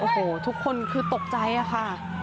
โหทุกคนคือตกใจอะค่ะ